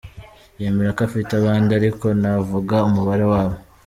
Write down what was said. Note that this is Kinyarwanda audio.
Yemera ko afite abandi ariko ntavuga umubare wabo.